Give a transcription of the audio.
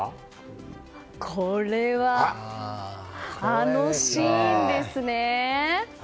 これは、あのシーンですね。